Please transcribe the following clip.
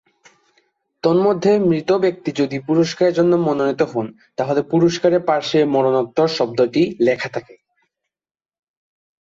তন্মধ্যে মৃত ব্যক্তি যদি পুরস্কারের জন্য মনোনীত হন, তাহলে পুরস্কারের পার্শ্বে মরণোত্তর শব্দটি লেখা থাকে।